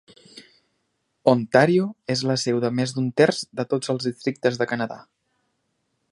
Ontario és la seu de més d'un terç de tots els districtes de Canadà.